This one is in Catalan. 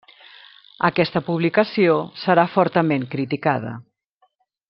Aquesta publicació serà fortament criticada.